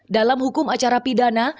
dalam hukum acara pidana